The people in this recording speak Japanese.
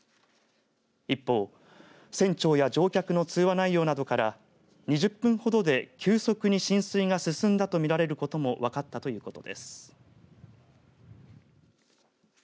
一方、船長や乗客の通話内容などから２０分ほどで急速に浸水が進んだと見られることも分かったということです。